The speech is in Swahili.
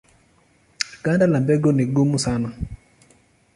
Ganda la mbegu ni gumu sana.